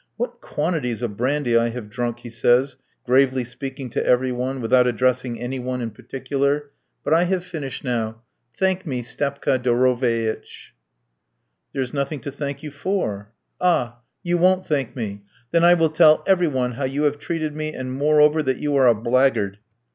"What quantities of brandy I have drunk," he says, gravely speaking to every one, without addressing any one in particular, "but I have finished now. Thank me, Stepka Doroveitch." "There is nothing to thank you for." "Ah! you won't thank me. Then I will tell every one how you have treated me, and, moreover, that you are a blackguard."